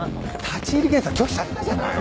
立入検査拒否されたじゃない。